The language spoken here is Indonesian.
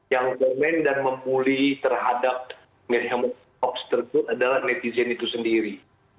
yang komen dan memuli terhadap kiriman hoax tersebut adalah netizen itu sendiri